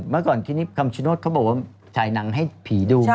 เมื่อก่อนที่นี่คำชนสเขาบอกว่าสายหนังให้ผีดูมาใช่เหรอ